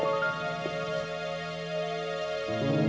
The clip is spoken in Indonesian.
aku sudah selesai